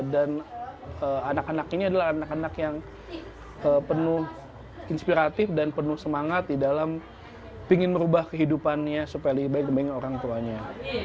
dan anak anak ini adalah anak anak yang penuh inspiratif dan penuh semangat di dalam ingin merubah kehidupannya supaya lebih baik dengan orang tuanya